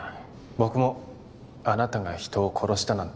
僕もあなたが人を殺したなんて